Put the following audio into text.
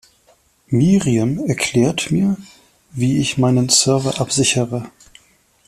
Miriam erklärt mir, wie ich meinen Server absichere.